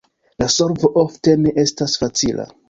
La solvo ofte ne estas facila.